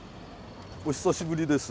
お久しぶりです。